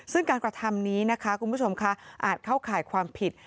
เพราะคุณผู้อยู่ก็ค่าวขายความผิด